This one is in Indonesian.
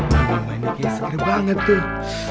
memangnya kesegar banget tuh